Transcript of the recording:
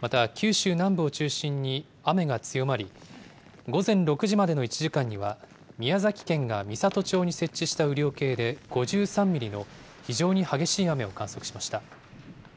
また、九州南部を中心に雨が強まり、午前６時までの１時間には、宮崎県が美郷町に設置した雨量計で５３ミリの非常に激しい雨を観測しました。